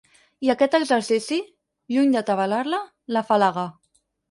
I aquest exercici, lluny d'atabalar-la, l'afalaga.